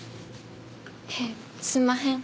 へえすんまへん。